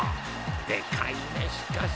［でかいねしかし。